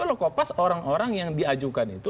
kalau kopas orang orang yang diajukan itu